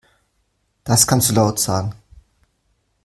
Das kannst du laut sagen.